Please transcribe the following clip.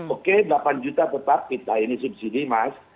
oke delapan juta tetap kita ini subsidi mas